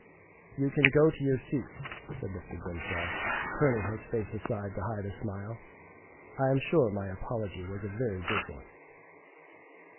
"You can go to your seats," said Mr. Grimshaw, turning his face aside to hide a smile. I am sure my apology was a very good one.